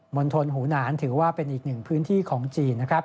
ณฑลหูหนานถือว่าเป็นอีกหนึ่งพื้นที่ของจีนนะครับ